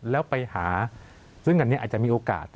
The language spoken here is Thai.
แล้วไปหาซึ่งอันนี้อาจจะมีโอกาส